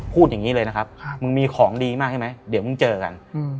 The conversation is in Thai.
พูดอย่างนี้เลยนะครับมึงมีของดีมากใช่ไหมเดี๋ยวมึงเจอกัน